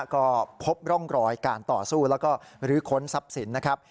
ก็พบร่องรอยการต่อสู้แล้วก็ลื้อค้นทรัพย์สินนะครับ